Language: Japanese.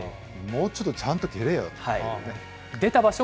もうちょっとちゃんと蹴れよってね。